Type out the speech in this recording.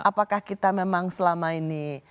apakah kita memang selama ini